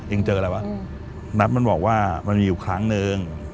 เจออะไรวะนัทมันบอกว่ามันมีอยู่ครั้งนึง